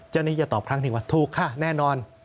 เจ้าหน้าที่จะตอบครั้งที่๑ว่าถูกค่ะแน่นอน